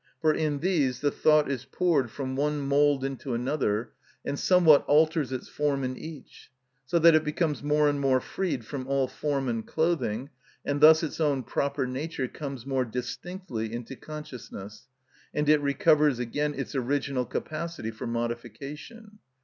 For in these the thought is poured from one mould into another, and somewhat alters its form in each, so that it becomes more and more freed from all form and clothing, and thus its own proper nature comes more distinctly into consciousness, and it recovers again its original capacity for modification.